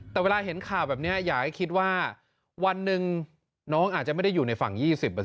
แต่เวลาเห็นข่าวแบบนี้อยากให้คิดว่าวันหนึ่งน้องอาจจะไม่ได้อยู่ในฝั่ง๒๐